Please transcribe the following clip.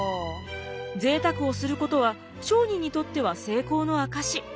ぜいたくをすることは商人にとっては成功の証し。